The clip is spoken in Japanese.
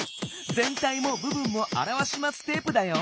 「ぜんたいもぶぶんもあらわしマステープ」だよ。